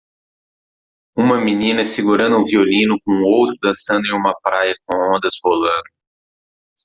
Uma menina segurando um violino com outro dançando em uma praia com ondas rolando.